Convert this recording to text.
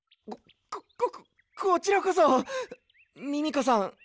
ここここちらこそミミコさん